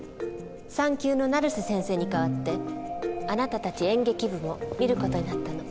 産休の成瀬先生に代わってあなたたち演劇部も見る事になったの。